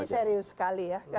ini serius sekali ya